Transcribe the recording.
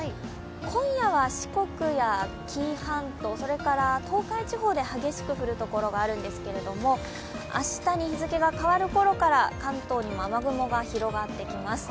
今夜は四国や紀伊半島、東海地方で激しく降る所があるんですけど明日に日付が変わるころから関東にも雨雲が広がってきます。